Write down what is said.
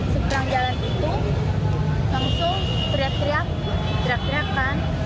seberang jalan itu langsung teriak teriak teriak teriakan